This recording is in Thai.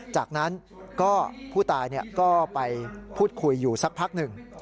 จากนั้นก็ผู้ตายก็ไปพูดคุยอยู่สักพักหนึ่ง